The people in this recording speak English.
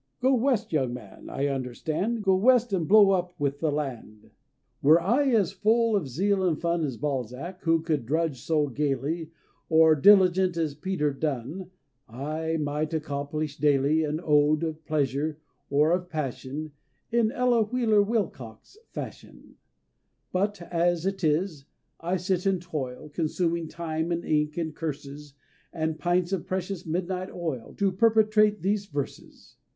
"Go West, young man" (I understand), "Go West and blow up with the land!" Were I as full of zeal and fun As Balzac, who could drudge so gaily, Or diligent as Peter Dunne, I might accomplish daily An ode of Pleasure or of Passion In Ella Wheeler Wilcox fashion; But, as it is, I sit and toil, Consuming time and ink and curses And pints of precious midnight oil To perpetrate these verses.